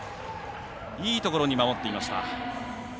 いいところに守っていました。